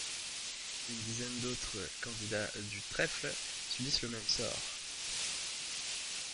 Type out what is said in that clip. Une dizaine d'autres candidats du Trèfle subissent le même sort.